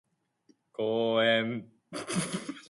公園